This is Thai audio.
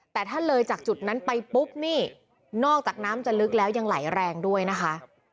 แต่ถ้าเลยจากจุดนั้นไปปุ๊บนี่นอกจากน้ำจะลึกแล้วยังไหลแรงด้วยนะคะ